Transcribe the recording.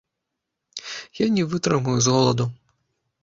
Я не вытрымаю з голаду.